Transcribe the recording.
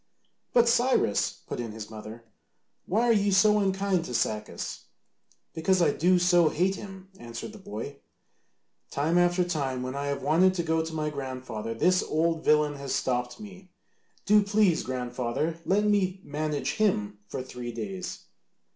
"But, Cyrus," put in his mother, "why are you so unkind to Sacas?" "Because I do so hate him," answered the boy. "Time after time when I have wanted to go to my grandfather this old villain has stopped me. Do please, grandfather, let me manage him for three days."